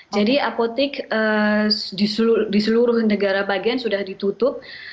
jadi apotik di seluruh negara bagian sudah ditutup